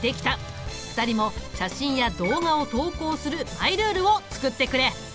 ２人も写真や動画を投稿するマイルールを作ってくれ。